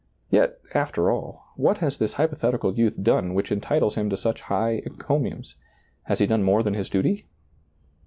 Yet, after all, what has this hypothetical youth done which entitles him to such high ecomiums? Has he done more than his duty?